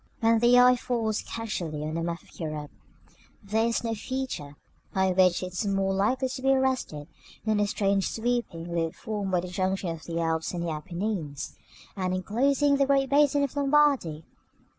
§ III. When the eye falls casually on a map of Europe, there is no feature by which it is more likely to be arrested than the strange sweeping loop formed by the junction of the Alps and Apennines, and enclosing the great basin of Lombardy.